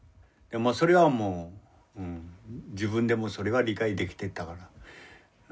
それはもう自分でもそれは理解できてたから。